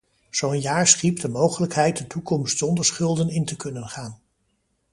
Zo'n jaar schiep de mogelijkheid de toekomst zonder schulden in te kunnen gaan.